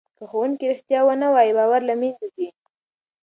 که ښوونکی رښتیا ونه وایي باور له منځه ځي.